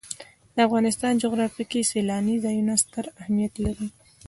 د افغانستان جغرافیه کې سیلانی ځایونه ستر اهمیت لري.